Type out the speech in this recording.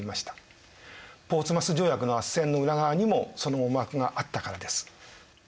ポーツマス条約の斡旋の裏側にもその思惑があったからです。